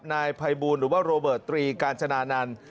นายภัยบูลหรือว่าโรเบิร์ตตรีกาญจนานันต์